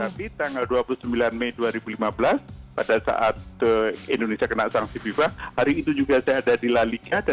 tapi tanggal dua puluh sembilan mei dua ribu lima belas pada saat indonesia kena sanksi fifa hari itu juga saya ada di lalika